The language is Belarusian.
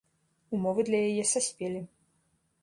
Умовы для яе саспелі.